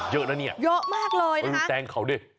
เยอะนะเนี่ยแตงเขาด้วยโอ้แน่นด้วย